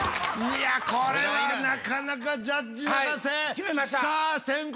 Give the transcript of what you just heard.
いやこれはなかなかジャッジ泣かせ。